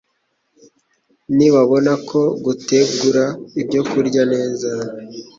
ntibabona ko gutegura ibyokurya neza